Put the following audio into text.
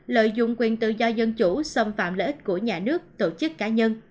lợi dụng quyền tự do dân chủ xâm phạm lợi ích của nhà nước tổ chức cá nhân